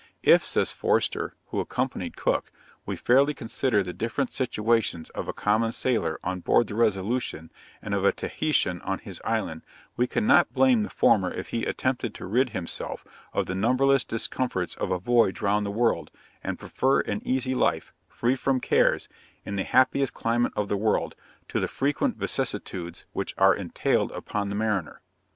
'If,' says Forster (who accompanied Cook), 'we fairly consider the different situations of a common sailor on board the Resolution, and of a Taheitan on his island, we cannot blame the former if he attempt to rid himself of the numberless discomforts of a voyage round the world, and prefer an easy life, free from cares, in the happiest climate of the world, to the frequent vicissitudes which are entailed upon the mariner.